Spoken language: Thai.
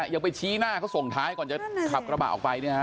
ยังไปชี้หน้าเขาส่งท้ายก่อนจะขับกระบะออกไปเนี่ยฮะ